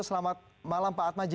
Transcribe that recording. selamat malam pak atmaji